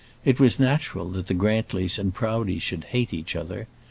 It was natural that the Grantlys and Proudies should hate each other.